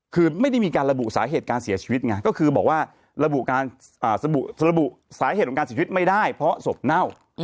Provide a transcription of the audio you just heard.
คือไม่ได้มีการระบุสาเหตุการเสียชีวิตไงก็คือบอกว่าระบุสาเหตุของการเสียชีวิตไม่ได้เพราะศพเน่า